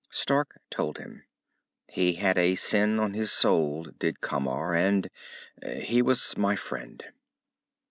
Stark told him. "He had a sin on his soul, did Camar. And he was my friend."